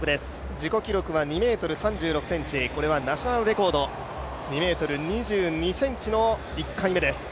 自己記録は２ｍ３６、これはナショナルレコード、２ｍ２２ｃｍの１回目です。